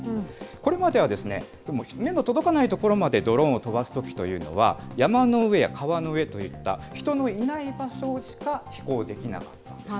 これまでは目の届かないところまでドローンを飛ばすときというのは、山の上や川の上といった人のいない場所しか飛行できなかったんです。